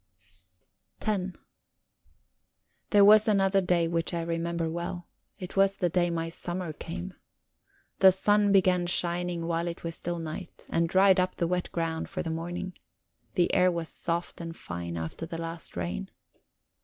X There was another day which I remember well. It was the day my summer came. The sun began shining while it was still night, and dried up the wet ground for the morning. The air was soft and fine after the last rain.